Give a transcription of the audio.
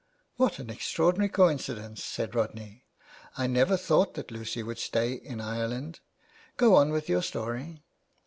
" What an extraordinary coincidence," said Rodney. '• I never thought that Lucy w^ould stay in Ireland. Go on with your story."